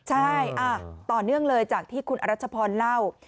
ใช่ต่อเนื่องเลยจากที่คุณอรัชพรเล่า